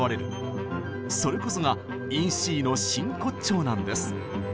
それこそが「ＩｎＣ」の真骨頂なんです。